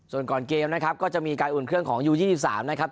ส่วนก่อนเกมนะครับก็จะมีการอุ่นเครื่องของยู๒๓นะครับ